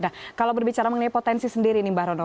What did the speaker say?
nah kalau berbicara mengenai potensi sendiri nih mbak rono